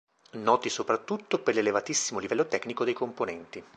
Noti soprattutto per l'elevatissimo livello tecnico dei componenti.